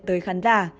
tới khán giả